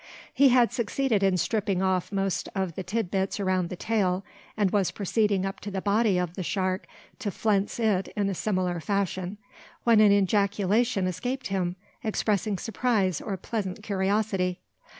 He had succeeded in stripping off most of the titbits around the tail, and was proceeding up the body of the shark to flense it in a similar fashion, when an ejaculation escaped him, expressing surprise or pleasant curiosity.